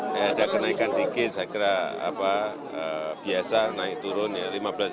saya kira ada kenaikan sedikit saya kira biasa naik turun rp lima belas